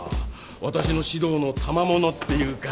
私の指導のたまものっていうか。